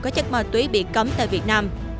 các chất ma túy bị cấm tại việt nam